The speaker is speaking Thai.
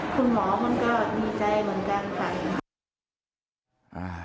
คุณหมอมันก็ดีใจเหมือนกันค่ะ